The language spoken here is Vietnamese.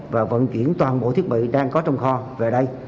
và vận chuyển toàn bộ thiết bị đang có trong kho về đây